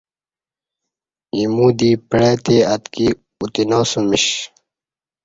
ایمو دی پعتے اتکی اتناسمیش